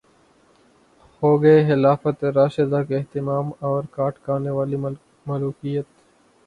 ہوگئے خلافت راشدہ کا اختتام اور کاٹ کھانے والی ملوکیت